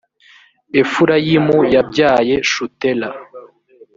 efurayimu yabyaye shutela.